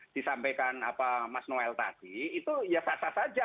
disampaikan mas noel tadi itu ya sah sah saja